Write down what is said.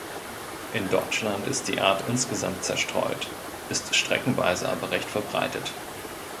In Deutschland ist die Art insgesamt zerstreut, ist streckenweise aber recht verbreitet.